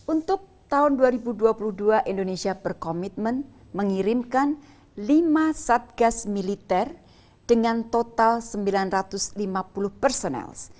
untuk tahun dua ribu dua puluh dua indonesia berkomitmen mengirimkan lima satgas militer dengan total sembilan ratus lima puluh personel